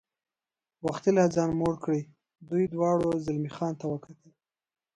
وختي لا ځان موړ کړی، دوی دواړو زلمی خان ته وکتل.